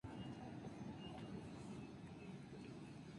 Los leones representan a Buda, para quien fue posible romper el ciclo.